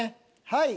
はい。